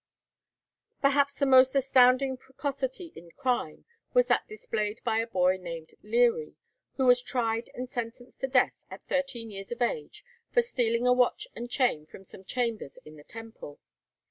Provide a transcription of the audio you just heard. Perhaps the most astounding precocity in crime was that displayed by a boy named Leary, who was tried and sentenced to death at thirteen years of age for stealing a watch and chain from some chambers in the Temple.